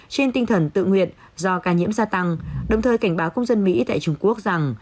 trên tinh thần tự nguyện do ca nhiễm gia tăng đồng thời cảnh báo công dân mỹ tại trung quốc rằng